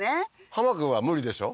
濱君は無理でしょ？